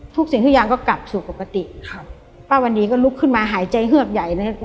ทุกสิ่งที่ยังก็กลับสู่ปกติครับป้าวันนี้ก็ลุกขึ้นมาหายใจเฮือบใหญ่นะครับ